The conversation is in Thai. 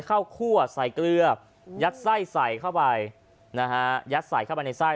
คั่วใส่เกลือยัดไส้ใส่เข้าไปนะฮะยัดใส่เข้าไปในไส้